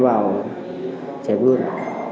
giao thị trường